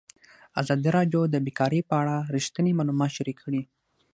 ازادي راډیو د بیکاري په اړه رښتیني معلومات شریک کړي.